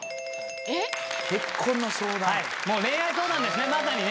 恋愛相談ですねまさにね。